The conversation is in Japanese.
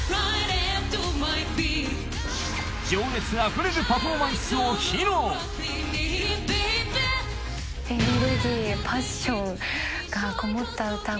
情熱あふれるパフォーマンスを披露がこもった歌声。